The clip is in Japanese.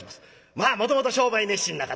まあもともと商売熱心な方。